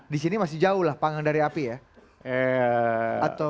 di sini masih jauh lah pangan dari api ya